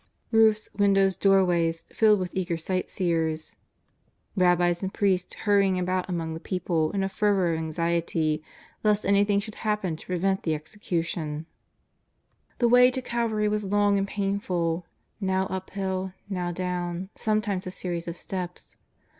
Roofs, windows, doorways, filled with eager sightseers; 358 JESUS OF NAZAEETH. rabbis and priests hurrying about among the people, in a fever of anxiety lest anything should happen to prevent the execution. The way to Calvary was long and painful, now up hill, now down, sometimes a series of steps.